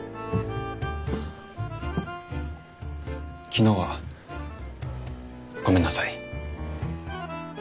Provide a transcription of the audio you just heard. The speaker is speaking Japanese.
昨日はごめんなさい。